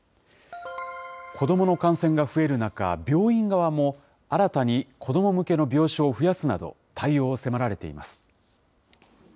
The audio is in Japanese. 子どもの感染が増える中、病院側も、新たに子ども向けの病床を増やすなど、対応を迫られています。